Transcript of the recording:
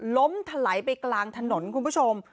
ล้มถลายไปกลางถนนคุณผู้ชม